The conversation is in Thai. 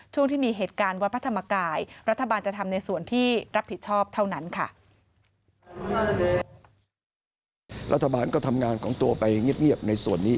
ช่วงที่มีเหตุการณ์วัดพระธรรมกายรัฐบาลจะทำในส่วนที่รับผิดชอบเท่านั้นค่ะ